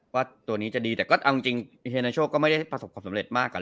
ว่าตัวนี้จะดีแต่ก็เอาจริงเฮนาโชคก็ไม่ได้ประสบความสำเร็จมากกว่า